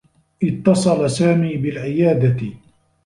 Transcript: اتّصل سامي بالعيادة.